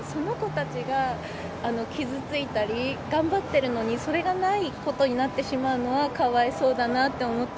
今頑張ってる子たちを見てるから、その子たちが傷ついたり頑張ってるのに、それがないことになってしまうのはかわいそうだなって思って。